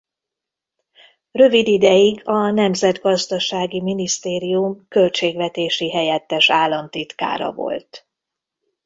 Rövid ideig a Nemzetgazdasági Minisztérium költségvetési helyettes államtitkára volt.